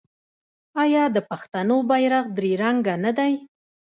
آیا د پښتنو بیرغ درې رنګه نه دی؟